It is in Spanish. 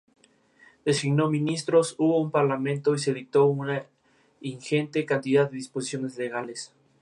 Las nacientes se ubican en la sierra Madre Occidental, en el estado de Durango.